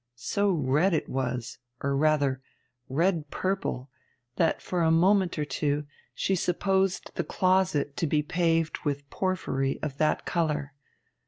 So red it was or rather, red purple that for a moment or two she supposed the closet to be paved with porphyry of that colour.